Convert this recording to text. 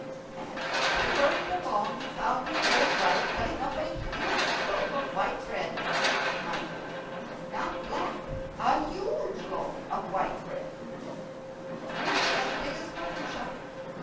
And he hurried along, and found his old wife cutting up a huge loaf of white bread, mind you, not black a huge loaf of white bread, nearly as big as Maroosia.